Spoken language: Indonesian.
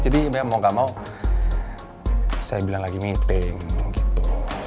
jadi mau gak mau saya bilang lagi meeting gitu